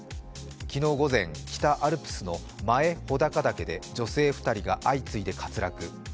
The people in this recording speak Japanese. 昨日午前、北アルプスの前穂高岳で女性２人が相次いで滑落。